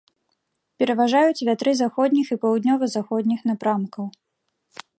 Пераважаюць вятры заходніх і паўднёва-заходніх напрамкаў.